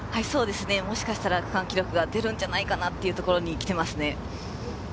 もしかしたら区間記録が出るんじゃないかなというところに来ていますね。